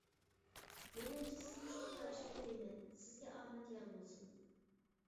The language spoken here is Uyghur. مېنىڭچە، سىزمۇ شۇ قاراشتىغۇ دەيمەن؟ سىزگە ئامەت يار بولسۇن!